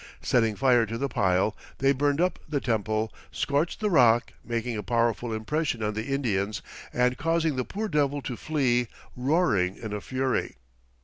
Setting fire to the pile, they burned up the temple, scorched the rock, making a powerful impression on the Indians and causing the poor Devil to flee, "roaring in a fury."